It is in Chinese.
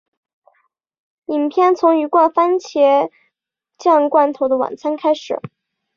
影片从一罐蕃茄酱罐头的晚餐开始。